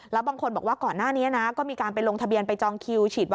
ก็มาของราชวิทยาลัยจุฬาพรเลยนะคะ